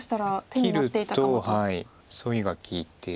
切るとソイが利いて。